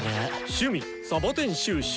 趣味サボテン収集。